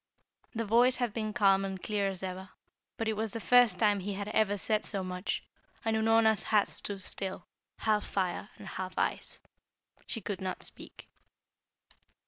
The voice had been calm and clear as ever, but it was the first time he had ever said so much, and Unorna's heart stood still, half fire and half ice. She could not speak.